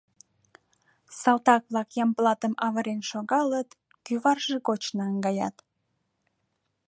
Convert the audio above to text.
Салтак-влак Ямблатым авырен шогалыт, кӱварже гоч наҥгаят.